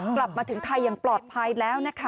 กลับมาถึงไทยอย่างปลอดภัยแล้วนะคะ